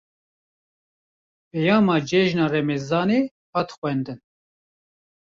Peyama cejna remezanê, hat xwendin